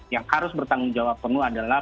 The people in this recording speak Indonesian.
yang harus bertanggung jawab penuh adalah